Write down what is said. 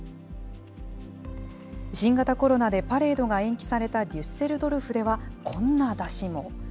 新型コロナでパレードが延期されたデュッセルドルフでは、こんな山車も。